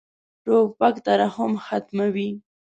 توپک ترحم ختموي.